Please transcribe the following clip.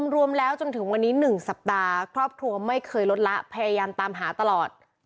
รวมแล้วจนถึงวันนี้๑สัปดาห์ครอบครัวไม่เคยลดละพยายามตามหาตลอด